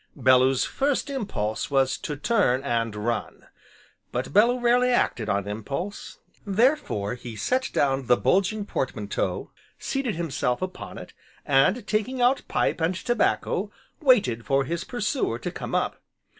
Bellew's first impulse was to turn, and run. But Bellew rarely acted on impulse; therefore, he set down the bulging portmanteau, seated himself upon it, and taking out pipe and tobacco, waited for his pursuer to come up.